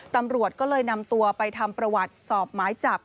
ตำรวจก็เลยนำตัวไปทำประวัติสอบหมายจับ